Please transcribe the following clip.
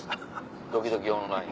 ドキドキオンライン。